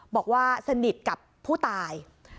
บอกว่าสนิทกับผู้ตาย